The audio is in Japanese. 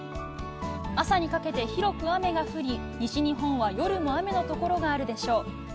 朝にかけて広く雨が降り西日本は夜も雨のところがあるでしょう。